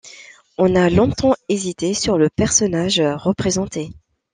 On a longtemps hésité sur le personnage représenté.